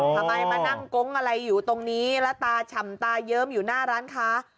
มานั่งโก๊งอะไรอยู่ตรงนี้แล้วตาฉ่ำตาเยิ้มอยู่หน้าร้านค้า